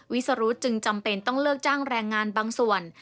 วิสรุธจึงจำเป็นต้องเลิกจ้างแรงงานบางส่วน